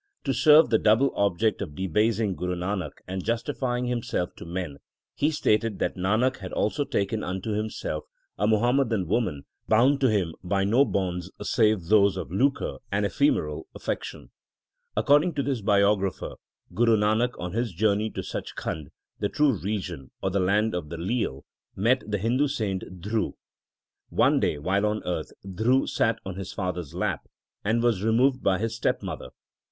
To serve the double object of debasing Guru Nanak and justify ing himself to men, he stated that Nanak had also taken unto himself a Muhammadan woman bound to him by no bonds save those of lucre and ephemeral affection. According to this biographer, Guru Nanak, on his journey to Sach Khand, the true region, or the Land of the Leal, met the Hindu saint Dhru. One day while on earth Dhru sat on his father s lap, and was removed by his step mother.